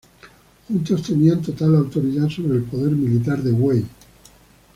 Juntos tenían total autoridad sobre el poder militar de Wei.